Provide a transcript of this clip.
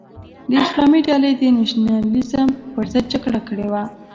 د اسلامي ډلې د نشنلیزم پر ضد جګړه کړې وه.